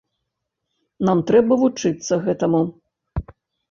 Нам трэба вучыцца гэтаму.